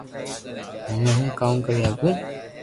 ھمي ھون ڪاو ڪري ھگو